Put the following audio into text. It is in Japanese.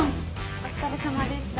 お疲れさまでした。